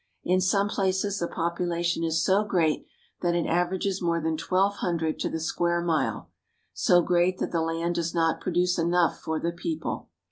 In some places the population is so great that it averages more than twelve hundred to the square ^_ mile, so great that the land does not produce enough for the people.